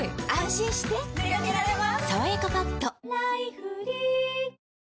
心してでかけられます